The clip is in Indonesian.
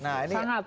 nah ini sangat